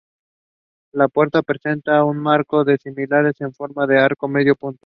La puerta, presenta un marco de sillares en forma de arco de medio punto.